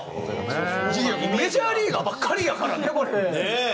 いやメジャーリーガーばっかりやからねこれ。